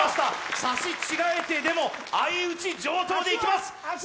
刺し違えてでも相打ち上等でいきます。